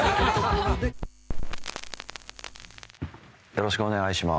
よろしくお願いします。